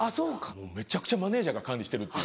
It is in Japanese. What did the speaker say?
めちゃくちゃマネジャーが管理してるっていう。